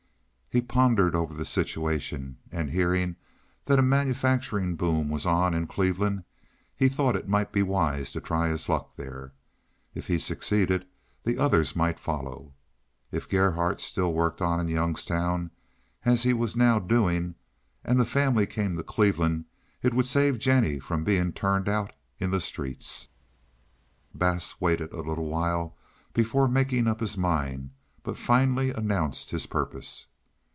He pondered over the situation, and hearing that a manufacturing boom was on in Cleveland, he thought it might be wise to try his luck there. If he succeeded, the others might follow. If Gerhardt still worked on in Youngstown, as he was now doing, and the family came to Cleveland, it would save Jennie from being turned out in the streets. Bass waited a little while before making up his mind, but finally announced his purpose.